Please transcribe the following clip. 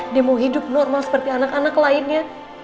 dia mau hidup normal seperti anak anak lainnya